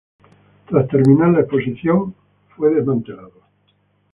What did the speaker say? Tras terminar la exposición fue desmantelado.